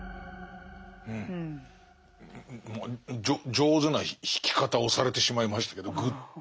上手な引き方をされてしまいましたけどグッと。